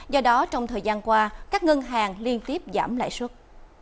do đó trong thời gian qua các ngân hàng liên tiếp giảm lãi suất